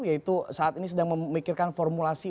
yaitu saat ini sedang memikirkan formulasi